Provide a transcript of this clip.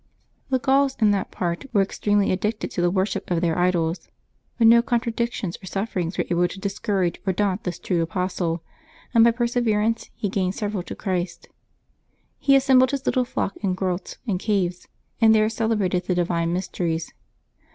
The Gauls in that part were ex tremely addicted to the worship of their idols. But no contradictions or sufferings were able to discourage or daunt this true apostle, and by perseverance he gained several to Christ. He assembled his little flock in grots and caves, and there celebrated the divine mysteries.